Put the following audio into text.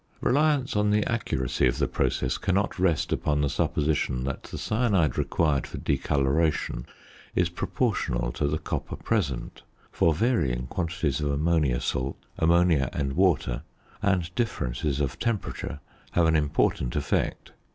Reliance on the accuracy of the process cannot rest upon the supposition that the cyanide required for decoloration is proportional to the copper present, for varying quantities of ammonia salts, ammonia and water, and differences of temperature have an important effect.